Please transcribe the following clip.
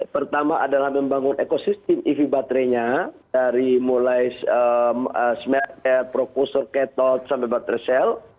pertama adalah membangun ekosistem ev baterainya dari mulai smelter propulsor ketot sampai baterai sel